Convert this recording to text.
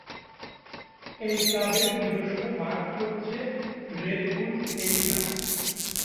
এই ক্লাবের নিজস্ব মাঠ হচ্ছে রেড বুল এরিনা।